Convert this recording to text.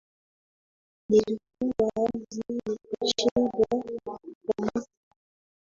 Nilikula hadi nikashindwa kuamka